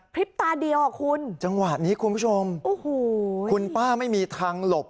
คลิปตาเดียวอ่ะคุณจังหวะนี้คุณผู้ชมโอ้โหคุณป้าไม่มีทางหลบ